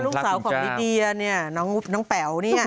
ลูกสาวของลิเดียเนี่ยน้องแป๋วเนี่ย